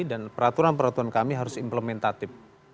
dan peraturan peraturan kami harus implementatif